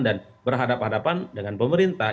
dan berhadapan hadapan dengan pemerintah